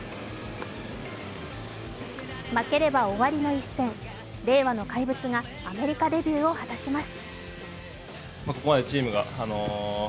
負ければ終わりの一戦、令和の怪物がアメリカデビューを果たします。